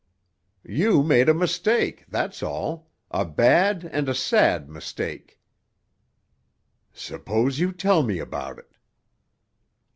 "You made a mistake, that's all—a bad and a sad mistake." "Suppose you tell me about it."